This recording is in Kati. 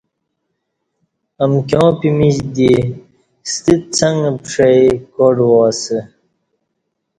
امکیاں پمیچ دی ستہ څݣ پݜئی کاٹ وا اسہ